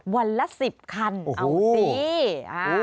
วันละ๑๐คันเอาสิ